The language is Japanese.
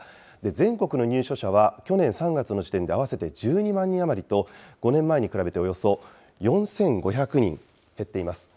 全国の入所者は、去年３月の時点で合わせて１２万人余りと、５年前に比べておよそ４５００人減っています。